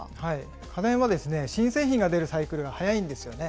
家電は新製品が出るサイクルが早いんですよね。